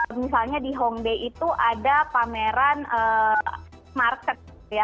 misalnya di hongdae itu ada pameran market ya